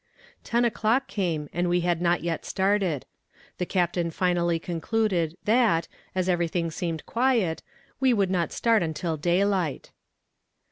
Ten o'clock came, and we had not yet started. The captain finally concluded that, as everything seemed quiet, we would not start until daylight.